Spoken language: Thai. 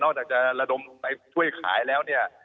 จากจะระดมไปช่วยขายแล้วเนี่ย